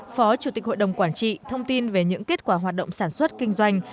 phó chủ tịch hội đồng quản trị thông tin về những kết quả hoạt động sản xuất kinh doanh